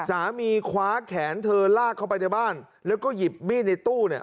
คว้าแขนเธอลากเข้าไปในบ้านแล้วก็หยิบมีดในตู้เนี่ย